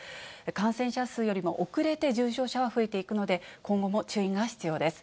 感染者数よりも遅れて重症者は増えていくので、今後も注意が必要です。